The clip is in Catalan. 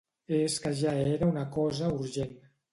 És que ja era una cosa urgent.